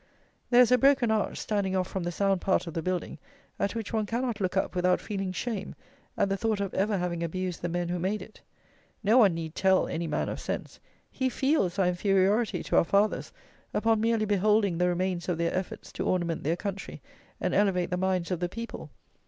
There is a broken arch, standing off from the sound part of the building, at which one cannot look up without feeling shame at the thought of ever having abused the men who made it. No one need tell any man of sense; he feels our inferiority to our fathers upon merely beholding the remains of their efforts to ornament their country and elevate the minds of the people.